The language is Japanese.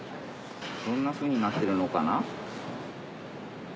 どんなふうになってるのかな？